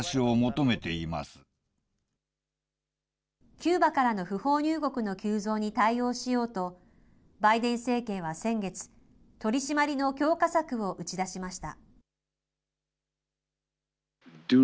キューバからの不法入国の急増に対応しようと、バイデン政権は先月、取締りの強化策を打ち出しました。